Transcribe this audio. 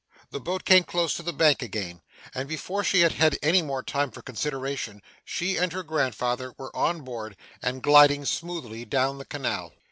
The boat came close to the bank again, and before she had had any more time for consideration, she and her grandfather were on board, and gliding smoothly down the canal.